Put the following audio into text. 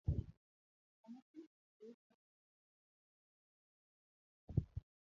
Jomatindo mathoth nokethore diere mane skunde olor.